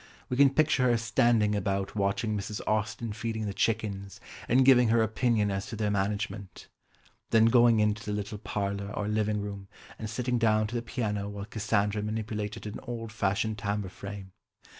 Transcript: We can picture her standing about watching Mrs. Austen feeding the chickens, and giving her opinion as to their management. Then going in to the little parlour, or living room, and sitting down to the piano while Cassandra manipulated an old fashioned tambour frame.